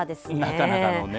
なかなかのね。